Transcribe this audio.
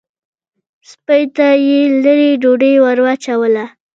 سپۍ ته یې لېرې ډوډۍ ور واچوله.